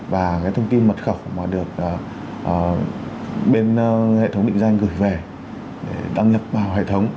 và cái thông tin mật khẩu mà được bên hệ thống định danh gửi về để đăng nhập vào hệ thống